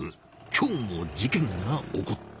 今日も事件が起こった。